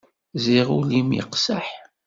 Ziɣ ul-im yeqseḥ.